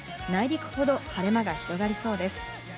内陸ほど晴れ間が広がりそうです。